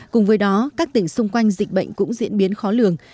cùng với đó các tỉnh xung quanh dịch bệnh cũng diễn biến khó lường